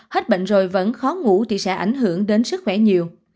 hết bệnh rồi vẫn khó ngủ thì sẽ ảnh hưởng đến sức khỏe nhiều